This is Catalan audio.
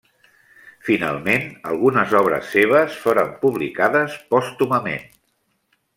Finalment, algunes obres seves foren publicades pòstumament.